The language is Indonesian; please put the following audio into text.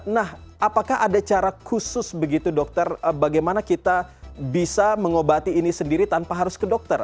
nah apakah ada cara khusus begitu dokter bagaimana kita bisa mengobati ini sendiri tanpa harus ke dokter